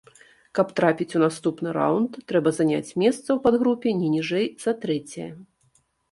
Каб трапіць у наступны раўнд, трэба заняць месца ў падгрупе не ніжэй за трэцяе.